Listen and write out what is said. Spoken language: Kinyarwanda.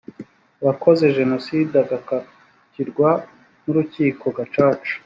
wakoze jenoside agakatirwa n urukiko gacaca